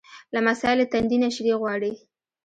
لمسی له تندې نه شیدې غواړي.